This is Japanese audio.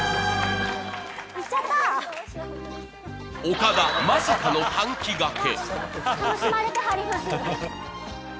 岡田、まさかの単騎がけ。